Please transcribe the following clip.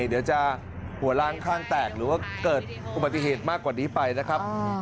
เดี๋ยวจะหัวล้างข้างแตกหรือว่าเกิดอุบัติเหตุมากกว่านี้ไปนะครับ